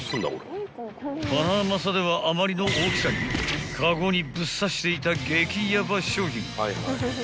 ［ハナマサではあまりの大きさにカゴにぶっ刺していた激ヤバ商品］